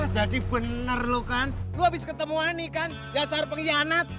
jadi bener lo kan lo abis ketemu ani kan dasar pengianat